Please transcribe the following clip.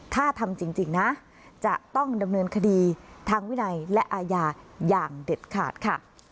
ถ้าทำจริงนะจะต้องดำเนินคดีทางวินัยและอาญาอย่างเด็ดขาดค่ะ